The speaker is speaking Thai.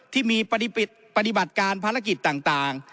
ที่มีปฏิบัติการภารกิจต่าง